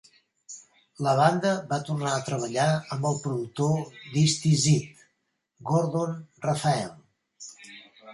La banda va tornar a treballar amb el productor d'"Is This It", Gordon Raphael.